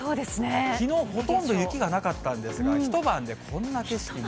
きのう、ほとんど雪がなかったんですが、１晩でこんな景色に。